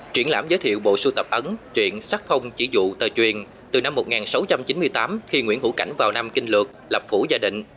triển lãm giới thiệu bộ sưu tập ấn truyện sắc không chỉ dụ tờ truyền từ năm một nghìn sáu trăm chín mươi tám khi nguyễn hữu cảnh vào nam kinh lược lập phủ gia đình